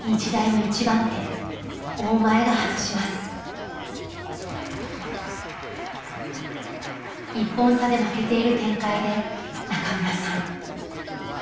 １本差で負けている展開で中村さん。